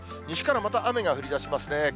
西からまた雨が降りだしますね。